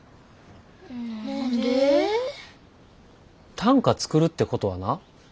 短歌作るってことはな